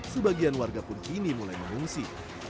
sebagian warga pun kini mulai mengungsi